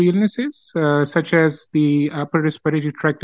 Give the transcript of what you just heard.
seperti penyakit respirator atas